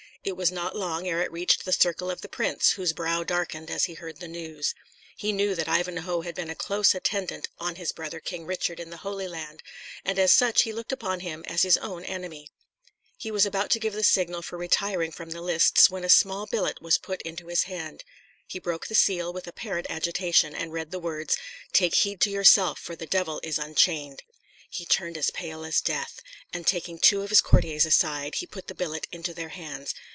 It was not long ere it reached the circle of the prince, whose brow darkened as he heard the news. He knew that Ivanhoe had been a close attendant on his brother King Richard in the Holy Land; and as such he looked upon him as his own enemy. He was about to give the signal for retiring from the lists, when a small billet was put into his hand. He broke the seal with apparent agitation, and read the words, "Take heed to yourself, for the devil is unchained." He turned as pale as death; and taking two of his courtiers aside, he put the billet into their hands.